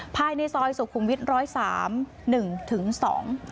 ภายในซอยสุขุมวิทย์ร้อยสามหนึ่งถึงสอง